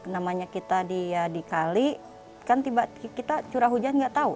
namanya kita dikali kan kita curah hujan nggak tahu